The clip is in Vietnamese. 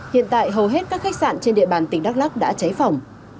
hiện tại hầu hết các khách sạn trên địa bàn tỉnh đắk lắc đã cháy phòng